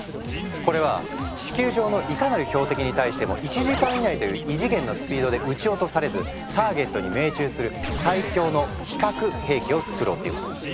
これは地球上のいかなる標的に対しても１時間以内という異次元のスピードで撃ち落とされずターゲットに命中する最強の非核兵器を作ろうっていうもの。